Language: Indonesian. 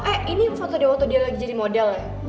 eh ini foto dia waktu dia lagi jadi model ya